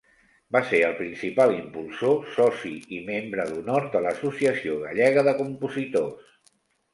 Va ser el principal impulsor, soci i membre d'honor de l'Associació Gallega de Compositors.